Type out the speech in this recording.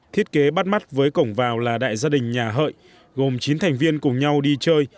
thiết kế bắt mắt với cổng vào là đại gia đình nhà hợi gồm chín thành viên cùng nhau đi chơi